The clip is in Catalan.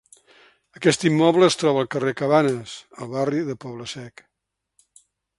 Aquest immoble es troba al carrer Cabanes, al barri de Poble Sec.